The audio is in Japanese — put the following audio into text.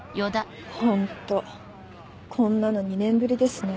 ホントこんなの２年ぶりですね。